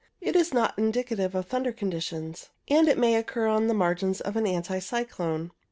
It is not indicative of thunder conditions, and it may occur on the margins of an anticyclone.